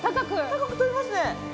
高く飛びますね。